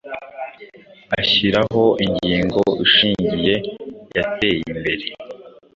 ashyiraho ingingo ishingiye Yateye imbere